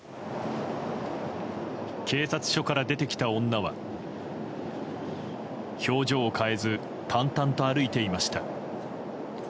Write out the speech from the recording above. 警察署から出てきた女は表情を変えず淡々と歩いていました。